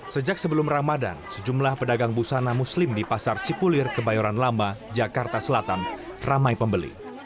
sejak sebelum ramadan sejumlah pedagang busana muslim di pasar cipulir kebayoran lama jakarta selatan ramai pembeli